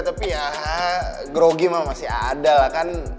tapi ya grogi mah masih ada lah kan